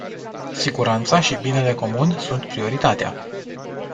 Siguranța și binele comun sunt prioritatea.